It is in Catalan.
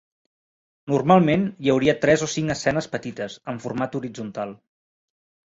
Normalment hi hauria tres o cinc escenes petites, en format horitzontal.